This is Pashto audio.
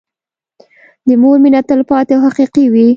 د مور مينه تلپاتې او حقيقي وي.